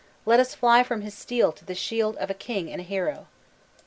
Let us fly from his steel to the shield of a king and a hero."